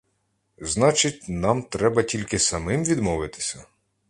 Значить, нам треба тільки самим відмовитися?